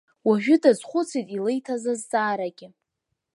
Уажәы даазхәыцит илиҭаз азҵаарагьы.